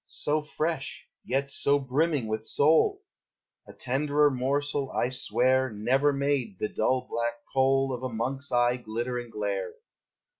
So fresh, yet so brimming with soul! A tenderer morsel, I swear, Never made the dull black coal Of a monk's eye glitter and glare.